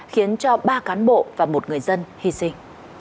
khiến cho ba cán bộ và một người dân hy sinh